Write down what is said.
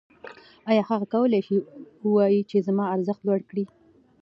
آیا هغه کولی شي ووايي چې ما ارزښت لوړ کړی